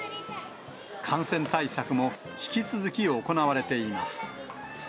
感染対策も引き続き行われています。